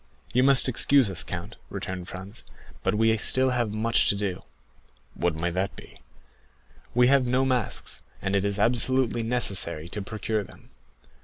"You must excuse us, count," returned Franz, "but we have still much to do." "What may that be?" "We have no masks, and it is absolutely necessary to procure them."